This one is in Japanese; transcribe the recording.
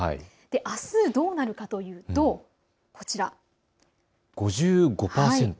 あすどうなるかというとこちら、５５％。